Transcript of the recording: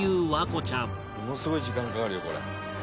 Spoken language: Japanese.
「ものすごい時間かかるよこれ」